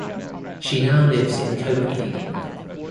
She now lives in Copenhagen.